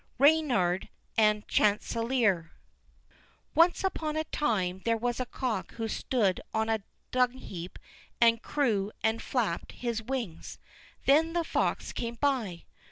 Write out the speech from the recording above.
Reynard and Chanticleer Once on a time there was a cock who stood on a dungheap and crew and flapped his wings. Then the fox came by.